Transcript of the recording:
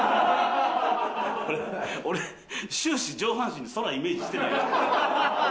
俺終始上半身空イメージしてないから。